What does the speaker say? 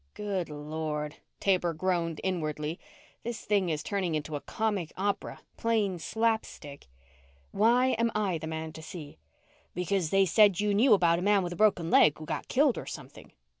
Good lord, Taber groaned inwardly. This thing is turning into a comic opera plain slapstick. "And why am I the man to see?" "Because they said you knew about a man with a broken leg who got killed or something."